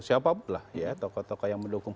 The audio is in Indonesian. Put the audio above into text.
siapa pun lah tokoh tokoh yang mendukung